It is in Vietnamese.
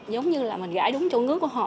giống như là mình gãi đúng chỗ ngứa của họ